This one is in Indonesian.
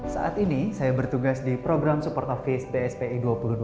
saat ini saya bertugas di program support office bspi dua ribu dua puluh